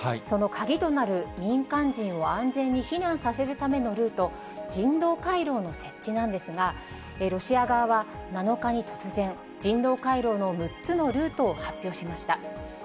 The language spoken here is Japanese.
その鍵となる民間人を安全に避難させるためのルート、人道回廊の設置なんですが、ロシア側は７日に突然、人道回廊の６つのルートを発表しました。